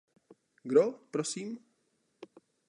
Kdo, prosím?